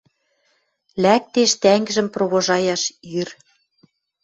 Лӓктеш тӓнгжӹм провожаяш ир.